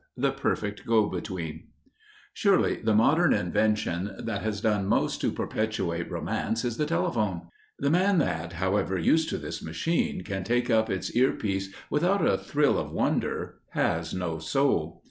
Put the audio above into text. *The Perfect Go between* Surely the modern invention that has done most to perpetuate Romance is the telephone. The man that, however used to this machine, can take up its ear piece without a thrill of wonder has no soul.